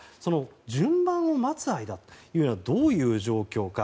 順番を待つ間というのはどういう状況か。